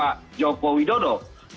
yang sebagaimana dikritik oleh pak joko widodo